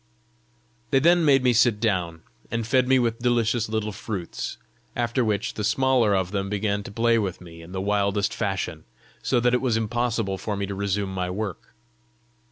They then made me sit down, and fed me with delicious little fruits; after which the smaller of them began to play with me in the wildest fashion, so that it was impossible for me to resume my work.